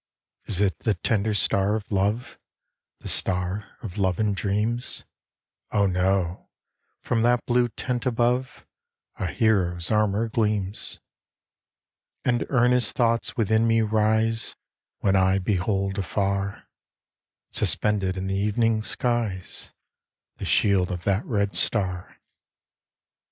Is it the tender star of love? The star of love and dreams? Oh, no! from that blue tent above, A hero's armour gleams. And earnest thoughts within me rise, When I behold afar, Suspended in the evening skies The shield of that red star.